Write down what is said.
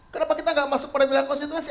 kenapa kita gak masuk pada konstituensi